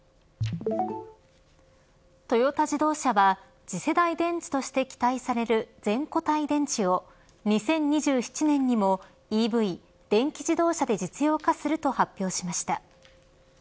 トヨタ自動車は次世代電池として期待される全固体電池を２０２７年にもＥＶ、電気自動車で実用化すると発表しました。